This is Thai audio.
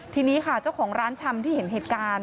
ทีนี้ค่ะเจ้าของร้านชำที่เห็นเหตุการณ์